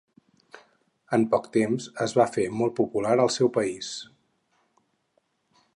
En poc temps es va fer molt popular al meu país.